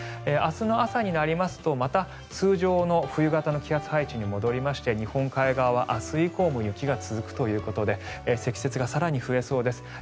明日の朝になりますとまた、通常の冬型の気圧配置に戻りまして日本海側は明日以降も雪が続くということで積雪が更に増えそうです。